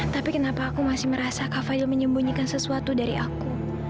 tapi kenapa aku masih merasa kafail menyembunyikan sesuatu dari aku